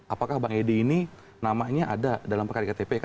apakah bang edi ini namanya ada dalam pekerjaan kpk